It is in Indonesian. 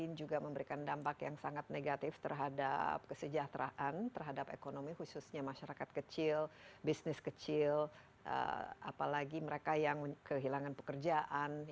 ini juga memberikan dampak yang sangat negatif terhadap kesejahteraan terhadap ekonomi khususnya masyarakat kecil bisnis kecil apalagi mereka yang kehilangan pekerjaan